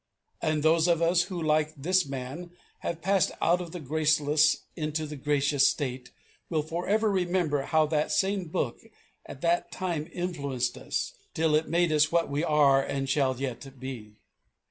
And those of us who, like this man, have passed out of a graceless into a gracious state will for ever remember how that same Book at that time influenced us till it made us what we are and shall yet be.